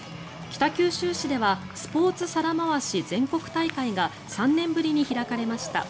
北九州市ではスポーツ皿回し全国大会が３年ぶりに開かれました。